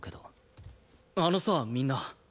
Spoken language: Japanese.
あのさみんな。